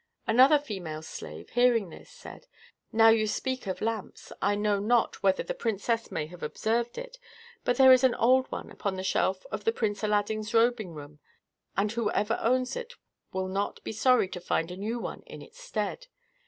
Another female slave, hearing this, said: "Now you speak of lamps, I know not whether the princess may have observed it, but there is an old one upon a shelf of the Prince Aladdin's robing room, and whoever owns it will not be sorry to find a new one in its stead.